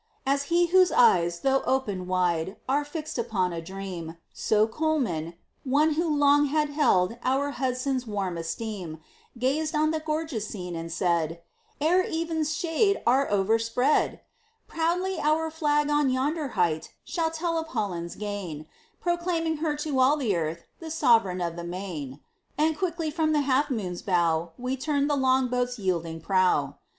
As he whose eyes, though opened wide, Are fixed upon a dream, So Colman one who long had held Our Hudson's warm esteem Gazed on the gorgeous scene, and said, "Ere even's shades are overspread, "Proudly our flag on yonder height Shall tell of Holland's gain; Proclaiming her to all the earth The sovereign of the main." And quickly from the Half Moon's bow We turned the longboat's yielding prow.